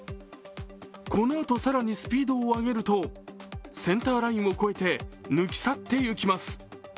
このあと更にスピードを上げるとセンターラインを越えて抜き去っていきます。